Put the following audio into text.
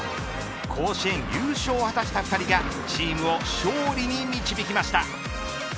甲子園優勝を果たした２人がチームを勝利に導きました